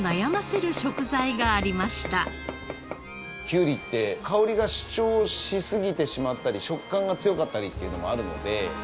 きゅうりって香りが主張しすぎてしまったり食感が強かったりっていうのもあるので。